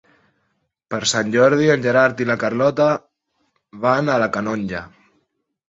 Per Sant Jordi en Gerard i na Carlota van a la Canonja.